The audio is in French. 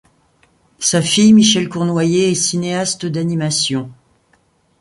Sa fille, Michèle Cournoyer, est cinéaste d'animation.